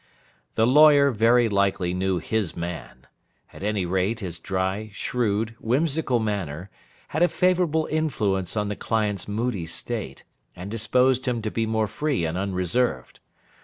The lawyer very likely knew his man; at any rate his dry, shrewd, whimsical manner, had a favourable influence on the client's moody state, and disposed him to be more free and unreserved.